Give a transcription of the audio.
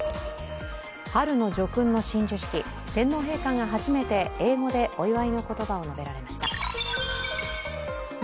春の叙勲の親授式、天皇陛下が初めて英語でお祝いの言葉を述べられました。